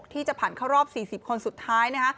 ที่จะผ่านเข้ารอบ๔๐คนสุดท้ายนะคะ